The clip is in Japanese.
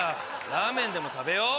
「ラーメンでも食べよう」。